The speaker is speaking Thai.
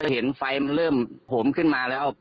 เห็นไฟมันเริ่มโหมขึ้นมาแล้ว